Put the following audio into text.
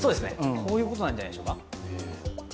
こういうことなんじゃないでしょうか？